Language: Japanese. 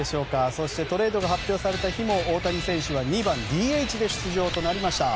そしてトレードが発表された日も大谷選手は２番ＤＨで出塁となりました。